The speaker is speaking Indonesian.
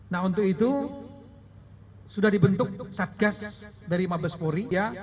nah untuk itu sudah dibentuk satgas dari mabes polri